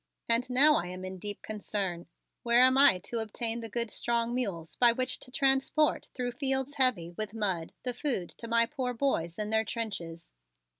And now I am in deep concern. Where am I to obtain the good strong mules by which to transport through fields heavy with mud the food to my poor boys in their trenches?"